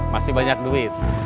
masih banyak duit